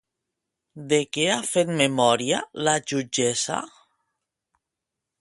De què ha fet memòria la jutgessa?